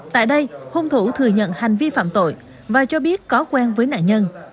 tại đây hung thủ thừa nhận hành vi phạm tội và cho biết có quen với nạn nhân